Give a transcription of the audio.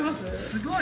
すごい！